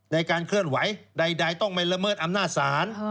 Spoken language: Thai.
ในการเคลื่อนไหวใดต้องไม่ละเมิดอำนาจศาล